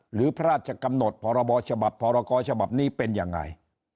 หรือพระราชกำหนดพรบฉบับพรกรฉบับนี้เป็นยังไง